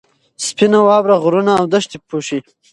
سپینه واوره غرونه او دښتې پوښي.